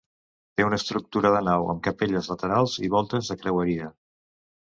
Té una estructura de nau amb capelles laterals i voltes de creueria.